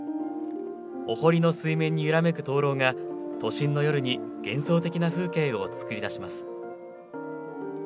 お堀の水面に揺らめく灯ろうが都心の夜に幻想的な風景を作り出します。